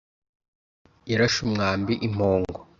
Yarashe umwambi impongo.